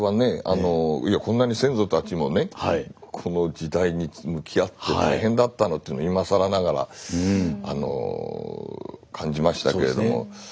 こんなに先祖たちもねこの時代に向き合って大変だったなと今更ながら感じましたけれども。